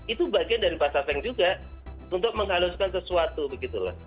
itu bagian dari bahasa tank juga untuk menghaluskan sesuatu begitu loh